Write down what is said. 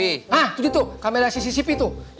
nah itu tuh kamera cctv tuh